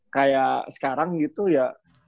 kayak sekarang gitu ya